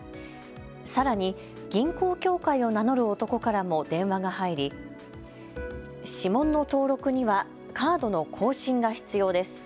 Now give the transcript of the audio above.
さらに銀行協会を名乗る男からも電話が入り指紋の登録にはカードの更新が必要です。